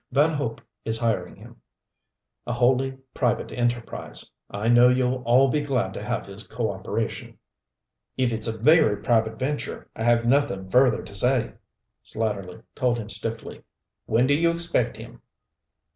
Van Hope is hiring him a wholly private enterprise. I know you'll all be glad to have his co operation." "If it's a private venture, I have nothing further to say," Slatterly told him stiffly. "When do you expect him?"